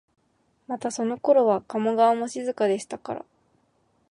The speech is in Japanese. またそのころは加茂川も静かでしたから、